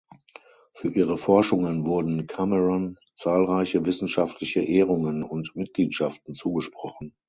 Für ihre Forschungen wurden Cameron zahlreiche wissenschaftliche Ehrungen und Mitgliedschaften zugesprochen.